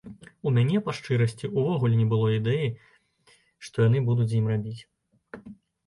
У мяне, па шчырасці, увогуле не было ідэй, што яны будуць з ім рабіць.